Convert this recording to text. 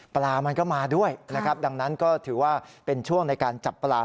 ปลามันก็มาด้วยนะครับดังนั้นก็ถือว่าเป็นช่วงในการจับปลา